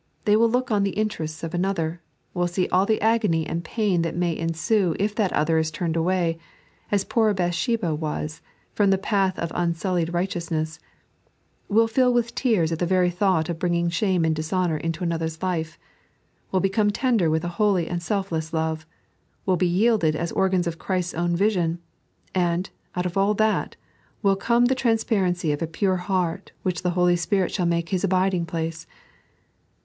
They will look on the intorests of another ; will see all the agony and pain that may ensue if that other is turned away, as poor Bathsheba was, from the path of unsullied righteouBness ; wiU fill with tears at the very thought of bringing shame and dishonour into another's life ; will become tonder with a holy and selfless love; will be yielded as organs of Christ's own vision; and, out of all thcU, will come the transparency of a pure heart, which the Holy Spirit shall make Hi^ abiding place.